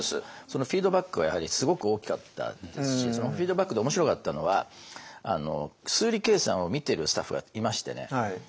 そのフィードバックはやはりすごく大きかったですしそのフィードバックで面白かったのは数理計算を見てるスタッフがいましてね。